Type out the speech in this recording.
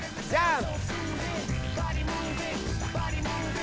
さあ